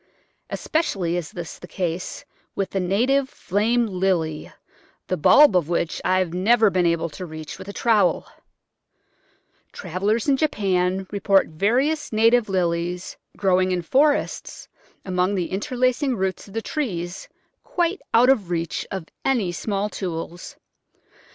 Especially is this the case with the native Flame Lily, the bulb of which I have never been able to reach with a trowel. Travel lers in Japan report various native Lilies growing in Digitized by Google 1 84 The Flower Garden forests among the interlacing roots of the trees, quite out of the reach of any small tools.